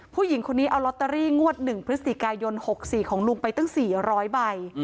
ผู้หญิงคนนี้เอาลอตเตอรี่งวด๑พฤศจิกายน๖๔ของลุงไปตั้ง๔๐๐ใบ